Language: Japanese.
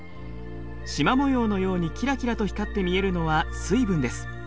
しま模様のようにキラキラと光って見えるのは水分です。